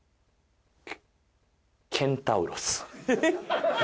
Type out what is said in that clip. ケンタウロス。